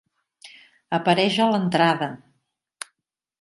Apareix a l'entrada.